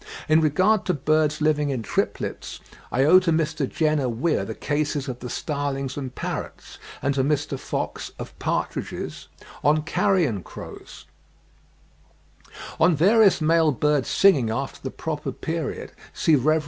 In regard to birds living in triplets, I owe to Mr. Jenner Weir the cases of the starlings and parrots, and to Mr. Fox, of partridges; on carrion crows, see the 'Field,' 1868, p. 415. On various male birds singing after the proper period, see Rev. L.